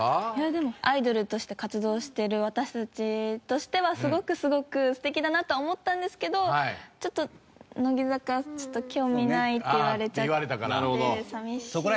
でもアイドルとして活動してる私たちとしてはすごくすごく素敵だなとは思ったんですけどちょっと乃木坂興味ないって言われちゃって寂しいので。